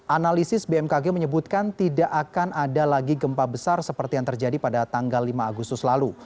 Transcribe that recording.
analisis bmkg menyebutkan tidak akan ada lagi gempa besar seperti yang terjadi pada tanggal